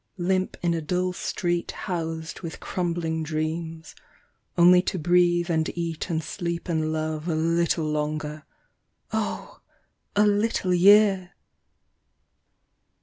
Limp in a dull street housed with crumbling dreams; < >nlv to breathe and eat and sleep and love A little longer; oh ! a little yeai